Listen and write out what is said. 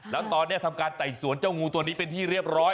แล้วตอนนี้ทำการไต่สวนเจ้างูตัวนี้เป็นที่เรียบร้อย